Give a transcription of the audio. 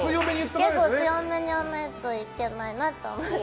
結構強めに言わないといけないなと思って。